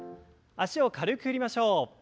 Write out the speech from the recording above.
脚を軽く振りましょう。